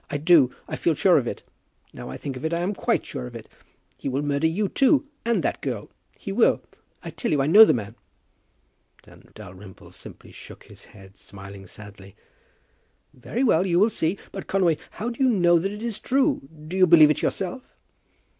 I do. I feel sure of it. Now I think of it I am quite sure of it. And he will murder you too; about that girl. He will. I tell you I know the man." Dalrymple simply shook his head, smiling sadly. "Very well! you will see. But, Conway, how do you know that it is true? Do you believe it yourself?"